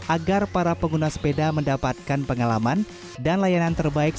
agar para pengguna sepeda mendapatkan pengalaman dan layanan terbaik